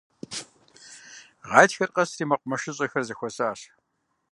Гъатхэр къэсри мэкъумэшыщӀэхэр зэхуэсащ.